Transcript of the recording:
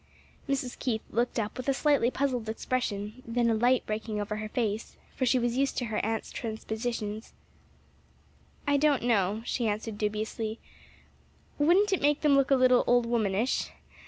Mrs. Keith looked up with a slightly puzzled expression; then a light breaking over her face, for she was used to her aunt's transpositions "I don't know," she answered dubiously, "wouldn't it make them look a little old womanish?